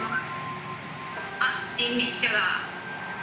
あっ、人力車が。